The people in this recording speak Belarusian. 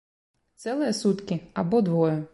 Цэлыя суткі або двое.